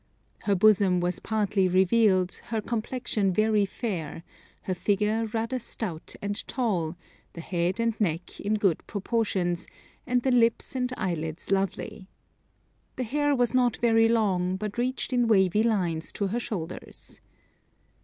Her bosom was partly revealed; her complexion very fair; her figure rather stout and tall; the head and neck in good proportions, and the lips and eyelids lovely. The hair was not very long, but reached in wavy lines to her shoulders.